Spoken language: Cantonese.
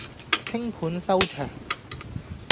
淸盤收場